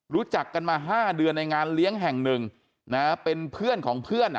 รู้จักกันมา๕เดือนในงานเลี้ยงแห่งหนึ่งนะฮะเป็นเพื่อนของเพื่อน